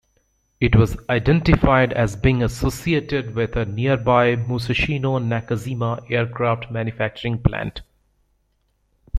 It was identified as being associated with a nearby Musashino-Nakajima aircraft manufacturing plant.